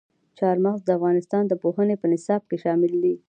چار مغز د افغانستان د پوهنې په نصاب کې شامل دي.